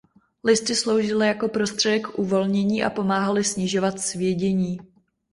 Listy sloužily jako prostředek k uvolnění a pomáhaly snižovat svědění.